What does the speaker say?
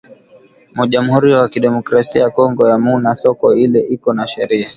Mu jamhuri ya kidemocrasia ya kongo amuna soko ile iko na sheria